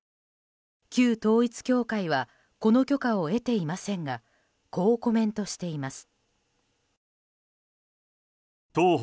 旧統一教会はこの許可を得ていませんがこうコメントしています。